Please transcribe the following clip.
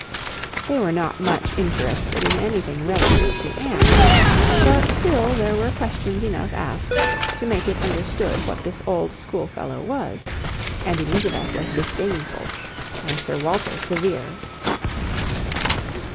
They were not much interested in anything relative to Anne; but still there were questions enough asked, to make it understood what this old schoolfellow was; and Elizabeth was disdainful, and Sir Walter severe.